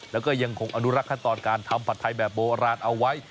แล้วก็ยังคงอนุรักษ์ขั้นตอนการทำผัดไทยแบบโบราณเอาไว้